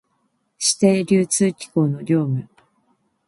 指定流通機構の業務